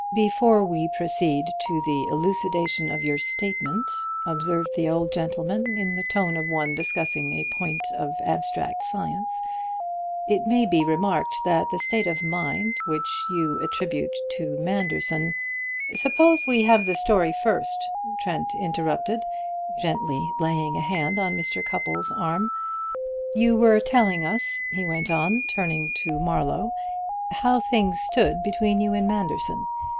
"Before we proceed to the elucidation of your statement," observed the old gentleman, in the tone of one discussing a point of abstract science, "it may be remarked that the state of mind which you attribute to Manderson " "Suppose we have the story first," Trent interrupted, gently laying a hand on Mr. Cupples' arm. "You were telling us," he went on, turning to Marlowe, "how things stood between you and Manderson.